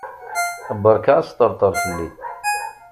Beṛka asṭerṭer fell-i.